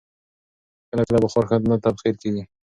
کله کله بخار ښه نه تبخیر کېږي.